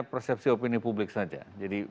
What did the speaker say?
persepsi opini publik saja jadi